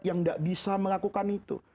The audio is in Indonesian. yang tidak bisa melakukan itu